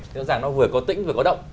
có nghề nó vừa có tĩnh vừa có động